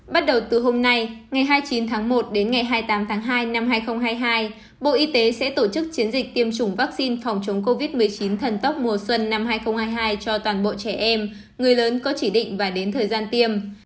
bắt đầu từ hôm nay ngày hai mươi chín tháng một đến ngày hai mươi tám tháng hai năm hai nghìn hai mươi hai bộ y tế sẽ tổ chức chiến dịch tiêm chủng vaccine phòng chống covid một mươi chín thần tốc mùa xuân năm hai nghìn hai mươi hai cho toàn bộ trẻ em người lớn có chỉ định và đến thời gian tiêm